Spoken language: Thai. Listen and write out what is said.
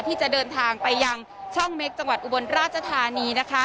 ที่จะเดินทางไปยังช่องเมคจังหวัดอุบลราชธานีนะคะ